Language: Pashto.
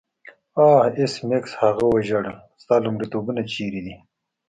آه ایس میکس هغه وژړل ستا لومړیتوبونه چیرته دي